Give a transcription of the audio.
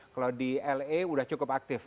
kalau di le sudah cukup aktif